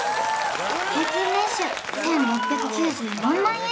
平均年収１６９４万円